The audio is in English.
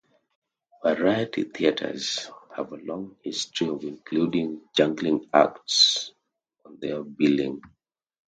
Variety theatres have a long history of including juggling acts on their billing.